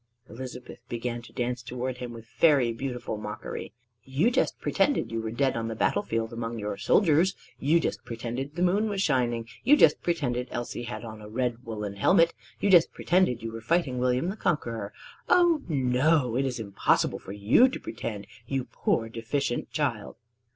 Elizabeth began to dance toward him with fairy beautiful mockery: "You just pretended you were dead on the battle field, among your soldiers: you just pretended the moon was shining. You just pretended Elsie had on a red woollen helmet. You just pretended you were fighting William the Conqueror. Oh, no! It is impossible for you to pretend, you poor deficient child!"